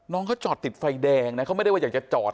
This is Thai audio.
น้องเขาจอดติดไฟแดงนะเขาไม่ได้ว่าอยากจะจอด